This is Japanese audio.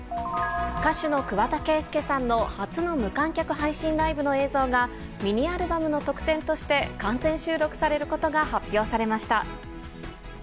歌手の桑田佳祐さんの初の無観客配信ライブの映像が、ミニアルバムの特典として完全収録されることが発表されました。